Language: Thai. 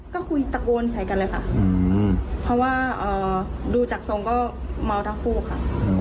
ก็คุยตะโกนใส่กันเลยค่ะเพราะว่าดูจากทรงก็เมาทั้งคู่ค่ะ